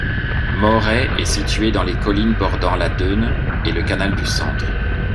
Morey est située dans les collines bordant la Dheune et le canal du Centre.